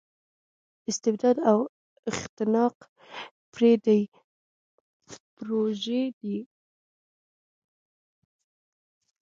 استبداد او اختناق پردۍ پروژې دي.